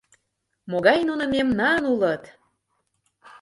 — Могай нуно мемнан улыт!